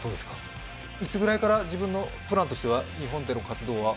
いつぐらいから、自分のプランとしては、日本での活動は？